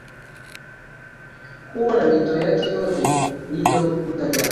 huo na mito yake yote Mito hutaja